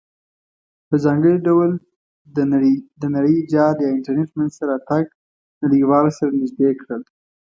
په ځانګړې ډول د نړیجال یا انټرنیټ مینځ ته راتګ نړیوال سره نزدې کړل.